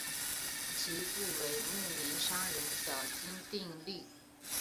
其父为木棉商人小津定利。